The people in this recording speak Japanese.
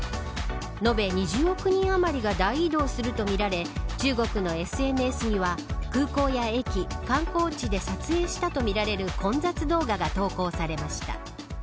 延べ２０億人余りが大移動するとみられ中国のＳＮＳには空港や駅、観光地で撮影したとみられる混雑動画が投稿されました。